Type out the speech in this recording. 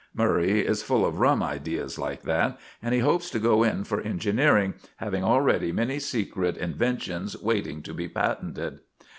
Murray is full of rum ideas like that, and he hopes to go in for engineering, having already many secret inventions waiting to be patented.